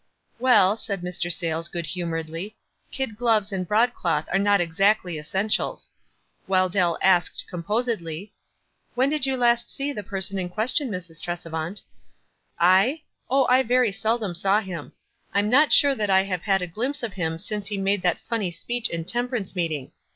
"Well," said Mr. Sayles, good humoredly, "kid gloves and broadcloth are not exactly es sentials." While Dell asked, composedly, — "When did you last see the person in ques tion, Mrs. Tresevant?" "I? Oh, I very seldom saw him. I'm not sure that I have had a glimpse of him since he made that funny speech in temperance meeting.